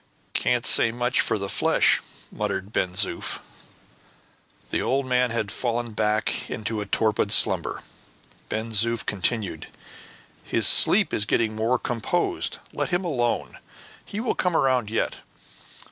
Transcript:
"Can't say much for the flesh," muttered Ben Zoof. The old man had again fallen back into a torpid slumber. Ben Zoof continued, "His sleep is getting more composed. Let him alone; he will come round yet.